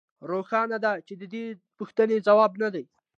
روښانه ده چې د دې پوښتنې ځواب نه دی